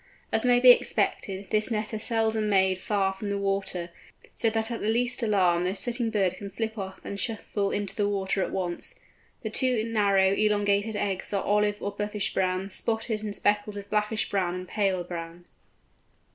As may be expected, this nest is seldom made far from the water, so that at the least alarm the sitting bird can slip off and shuffle into the water at once. The two narrow elongated eggs are olive or buffish brown, spotted and speckled with blackish brown and paler brown.